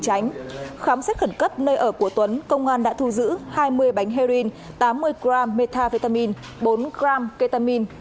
tránh khám xét khẩn cấp nơi ở của tuấn công an đã thu giữ hai mươi bánh heroin tám mươi g metavitamin bốn g ketamin